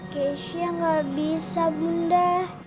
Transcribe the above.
keisha gak bisa bunda